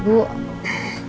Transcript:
ibu tahan ya